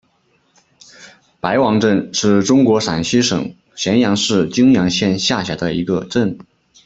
白王镇是中国陕西省咸阳市泾阳县下辖的一个镇。